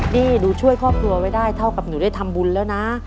นี่หนูช่วยครอบครัวไว้ได้เท่ากับหนูได้ทำบุญแล้วนะ